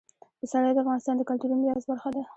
پسرلی د افغانستان د کلتوري میراث برخه ده.